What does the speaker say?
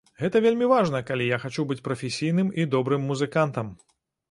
Гэта вельмі важна, калі я хачу быць прафесійным і добрым музыкантам.